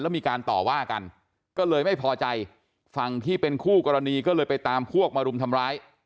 แล้วมีการต่อว่ากันก็เลยไม่พอใจฝั่งที่เป็นคู่กรณีก็เลยไปตามพวกมารุมทำร้าย